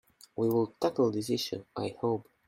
We will tackle this issue, I hope.